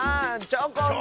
チョコン！